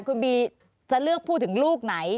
คุณบีจะเลือกพูดถึงลูกไหน